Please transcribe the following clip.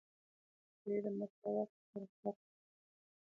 دوی د مساوات لپاره کار کوي.